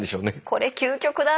これ究極だ。